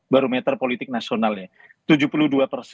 baru meter politik nasional ya